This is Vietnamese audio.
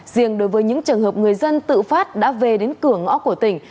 riêng đối với những trường hợp người dân tự phát đã về đến cửa ngõ của tỉnh